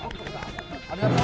ありがとう。